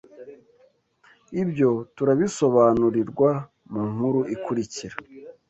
Ibyo turabisobanurirwa mu nkuru ikurikira